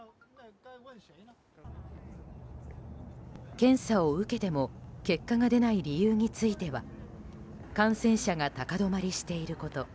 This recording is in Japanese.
検査を受けても結果が出ない理由については感染者が高止まりしていること